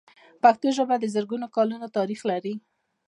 پښتو ژبه د زرګونو کلونو تاریخ لري.